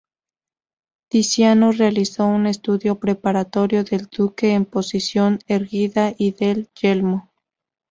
Tiziano realizó un estudio preparatorio del duque en posición erguida y del yelmo.